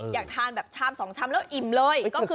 อยากทานแบบชาม๒ชามแล้วอิ่มเลย